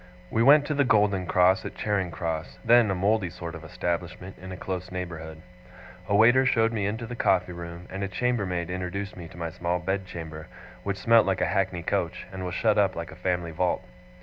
We went to the Golden Cross at Charing Cross, then a mouldy sort of establishment in a close neighbourhood. A waiter showed me into the coffee room; and a chambermaid introduced me to my small bedchamber, which smelt like a hackney coach, and was shut up like a family vault.